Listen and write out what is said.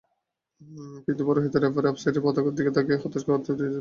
কিন্তু পরমুহূর্তেই রেফারির অফসাইডের পতাকার দিকে তাকিয়ে হতাশ হতে হয়েছে তাদের।